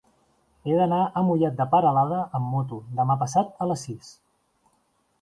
He d'anar a Mollet de Peralada amb moto demà passat a les sis.